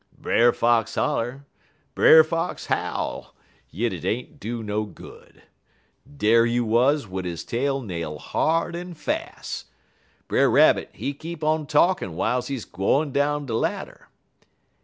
"Brer Fox holler, Brer Fox howl, yit 't ain't do no good. Dar he wuz wid he tail nail hard en fas'. Brer Rabbit, he keep on talkin' w'iles he gwine down de ladder.